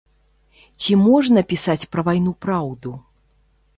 Ці можна пісаць пра вайну праўду?